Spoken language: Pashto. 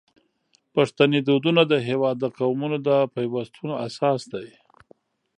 پښتني دودونه د هیواد د قومونو د پیوستون اساس دی.